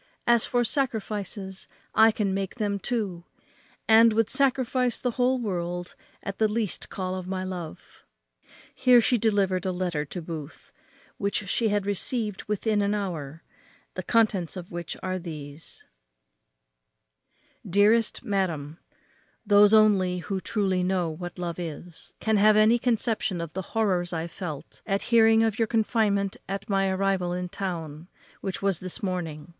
As for sacrifices, I can make them too, and would sacrifice the whole world at the least call of my love." Here she delivered a letter to Booth, which she had received within an hour, the contents of which were these: "DEAREST MADAM, Those only who truly know what love is, can have any conception of the horrors I felt at hearing of your confinement at my arrival in town, which was this morning.